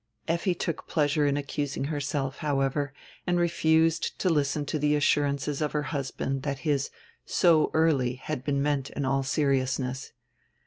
Effi took pleasure in accusing herself, however, and refused to listen to die assurances of her husband diat his "so early" had been meant in all seriousness.